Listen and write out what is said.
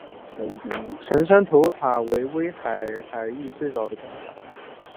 成山头灯塔为威海海域最早的灯塔。